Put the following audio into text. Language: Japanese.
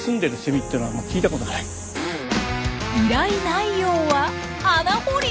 依頼内容は穴掘り！？